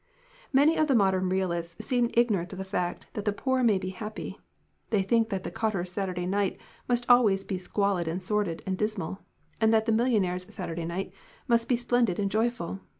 "Many of the modern realists seem ignorant of the fact that the poor may be happy. They think that the cotter's Saturday night must always be squalid and sordid and dismal, and that the millionaire's Saturday night must be splendid and joyful.